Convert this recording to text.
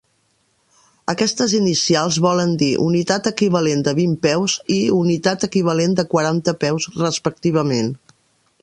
Aquestes inicials volen dir "unitat equivalent de vint peus" i "unitat equivalent de quaranta peus", respectivament.